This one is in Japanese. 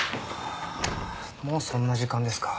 もうそんな時間ですか。